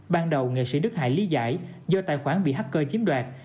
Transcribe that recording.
ban đầu nghệ sĩ đức hải lý giải do tài khoản bị hacker chiếm đoạt